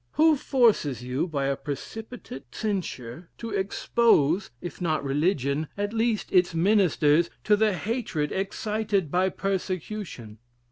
Who forces you by a precipitate censure to expose, if not religion, at least its ministers, to the hatred excited by persecution?